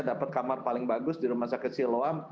dapat kamar paling bagus di rumah sakit siloam